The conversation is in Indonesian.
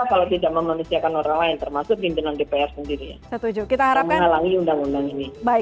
kalau tidak memanusiakan orang lain termasuk pimpinan dpr sendiri